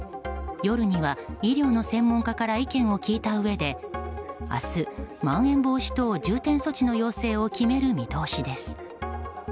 夜には医療の専門家から意見を聞いたうえで明日、まん延防止等重点措置の要請を決める見通しです。